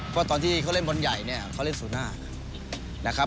เพราะตอนที่เขาเล่นมนต์ใหญ่เขาเล่นสู่หน้า